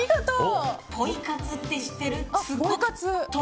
ポイ活って知ってる。